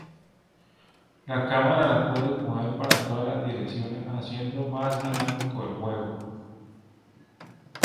La cámara la puedes mover para todas las direcciones, haciendo más dinámico el juego.